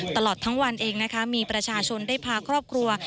ตลอดทั้งวันเองนะคะมีประชาชนได้พาครอบครัว